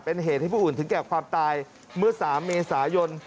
เป็นเหตุให้ผู้อื่นถึงแก่ความตายเมื่อ๓เมษายน